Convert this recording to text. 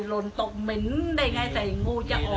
กลับมาที่สุดท้ายมีกลับมาที่สุดท้าย